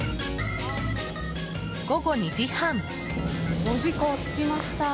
午後２時半。